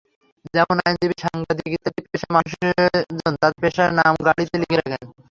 যেমন আইনজীবী, সাংবাদিক ইত্যাদি পেশার মানুষজন তাঁদের পেশার নাম গাড়িতে লিখে রাখেন।